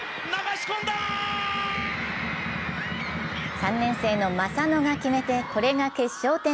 ３年生の正野が決めて、これが決勝点。